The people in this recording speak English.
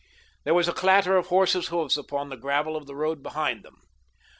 There was a clatter of horses' hoofs upon the gravel of the road behind them.